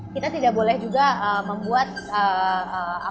kita tidak boleh juga membuat kapasitas dari negara negara lain